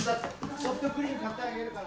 ソフトクリーム買ってあげるから。